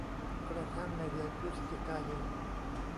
กระทั่งในเดือนพฤศจิกายน